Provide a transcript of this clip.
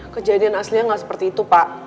kejadian aslinya nggak seperti itu pak